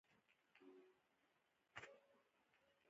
د تیمور په وخت کې یاداښتونه اخیستل کېدل.